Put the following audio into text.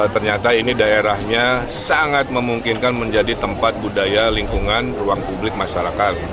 ternyata ini daerahnya sangat memungkinkan menjadi tempat budaya lingkungan ruang publik masyarakat